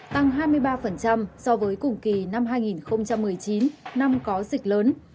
tăng hai mươi ba so với cùng kỳ năm hai nghìn một mươi chín năm có dịch lớn